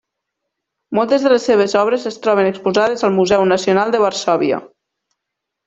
Moltes de les seves obres es troben exposades al Museu Nacional de Varsòvia.